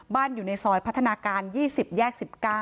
อยู่ในซอยพัฒนาการ๒๐แยก๑๙